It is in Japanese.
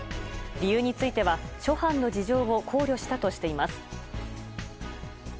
理由については諸般の事情を考慮したとしています。